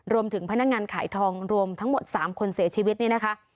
พนักงานขายทองรวมทั้งหมด๓คนเสียชีวิตเนี่ยนะคะ